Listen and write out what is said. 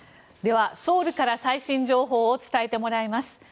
ソウルから最新情報を伝えてもらいます。